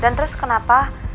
dan terus kenapa